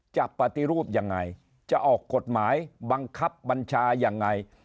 ปฏิรูปยังไงจะออกกฎหมายบังคับบัญชายังไง